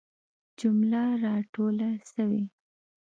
جمله را ټوله سوي.